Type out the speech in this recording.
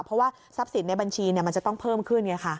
เพราะว่าทรัพย์สินในบัญชีมันจะต้องเพิ่มขึ้นไงค่ะ